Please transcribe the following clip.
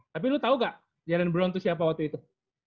tapi lu tau gak jalen brown tuh siapa waktu itu